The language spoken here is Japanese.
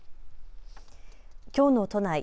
きょうの都内。